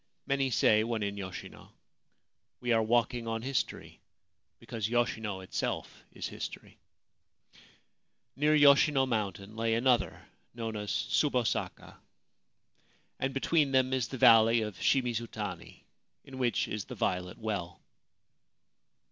Many say, when in Yoshino, ' We are walking on history, because Yoshino itself is history/ Near Yoshino mountain lay another, known as Tsubosaka ; and between them is the Valley of Shimizutani, in which is the Violet Well.